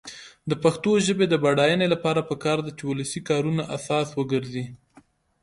د پښتو ژبې د بډاینې لپاره پکار ده چې ولسي کارونه اساس وګرځي.